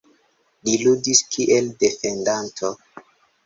Li ludis kiel defendanto.